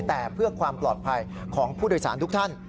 แต่เพื่อความปลอดภัยของผู้โดยสารทุกท่าน